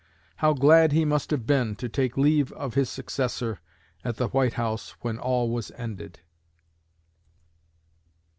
How glad he must have been to take leave of his successor at the White House when all was ended!"